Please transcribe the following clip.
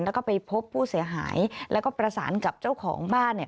แล้วก็ไปพบผู้เสียหายแล้วก็ประสานกับเจ้าของบ้านเนี่ย